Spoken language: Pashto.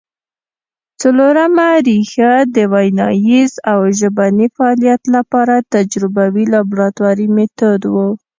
څلورمه ریښه د ویناييز او ژبني فعالیت له پاره تجربوي لابراتواري مېتود وو